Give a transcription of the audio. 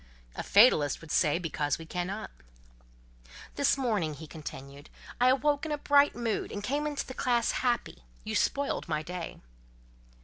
"A fatalist would say—because we cannot." "This morning," he continued, "I awoke in a bright mood, and came into classe happy; you spoiled my day."